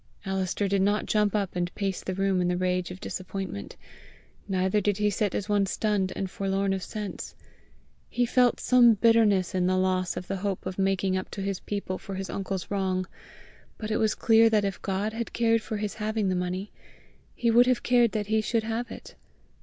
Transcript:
Alister did not jump up and pace the room in the rage of disappointment; neither did he sit as one stunned and forlorn of sense. He felt some bitterness in the loss of the hope of making up to his people for his uncle's wrong; but it was clear that if God had cared for his having the money, he would have cared that he should have it.